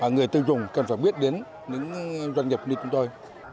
người tiêu dùng cần phải biết đến những doanh nghiệp như chúng tôi